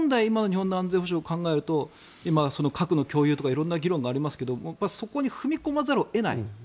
今の日本の安全保障を考えると核の共有とか色んな議論がありますがそこに踏み込まざるを得ない。